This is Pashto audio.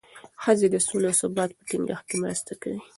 ښځې د سولې او ثبات په ټینګښت کې مرسته کوي.